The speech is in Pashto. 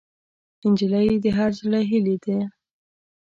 نجلۍ د هر زړه هیلې ده.